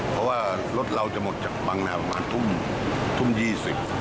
เพราะว่ารถเราจะหมดจากบังหนาประมาททุ่ม๒๐น